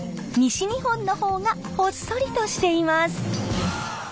西日本の方がほっそりとしています。